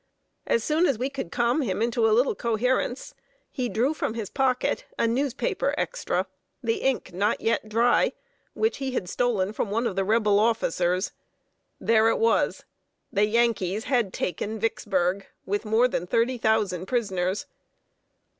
As soon as we could calm him into a little coherence, he drew from his pocket a newspaper extra the ink not yet dry which he had stolen from one of the Rebel officers. There it was! The Yankees had taken Vicksburg, with more than thirty thousand prisoners.